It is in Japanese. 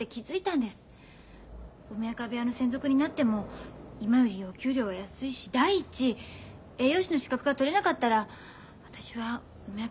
梅若部屋の専属になっても今よりお給料は安いし第一栄養士の資格が取れなかったら私は梅若部屋を辞めるしかありません。